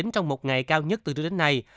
trong một ngày cao nhất từ trước đến nay